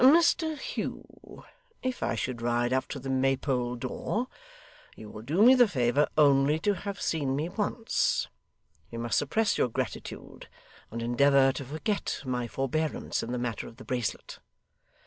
'Mr Hugh, if I should ride up to the Maypole door, you will do me the favour only to have seen me once. You must suppress your gratitude, and endeavour to forget my forbearance in the matter of the bracelet.